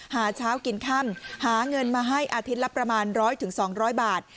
หาเช้ากินค่ำหาเงินมาให้อาทิตย์ละประมาณร้อยถึงสองร้อยบาท